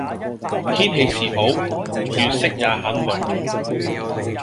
天氣是好，月色也很亮了。